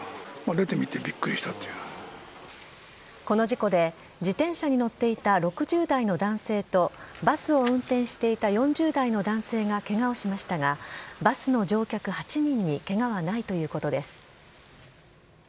この事故で自転車に乗っていた６０代の男性とバスを運転していた４０代の男性がケガをしましたがバスの乗客８人にケガはないということです。